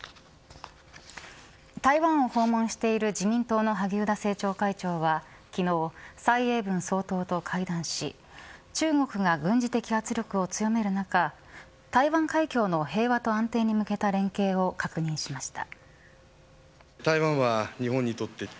台湾を訪問している自民党の萩生田政調会長は昨日、蔡英文総統と会談し中国が軍事的圧力を強める中台湾海峡の平和と安定に向けた連携を確認しました。